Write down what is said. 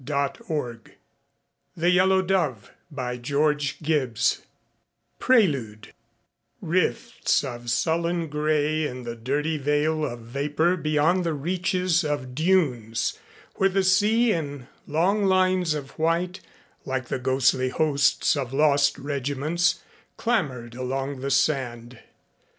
Speak." 218 THE YELLOW DOVE PRELUDE Rifts of sullen gray in the dirty veil of vapor beyond the reaches of dunes, where the sea in long lines of white, like the ghostly hosts of lost regiments, clamored along the sand....